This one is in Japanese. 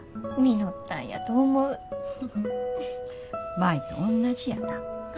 舞とおんなじやな。